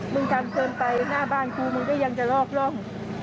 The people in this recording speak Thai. ทำเกินไปหน้าบ้านกูมึงก็ยังจะลอกร่อง